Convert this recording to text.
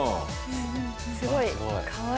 すごいかわいくて。